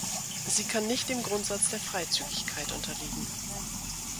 Sie kann nicht dem Grundsatz der Freizügigkeit unterliegen.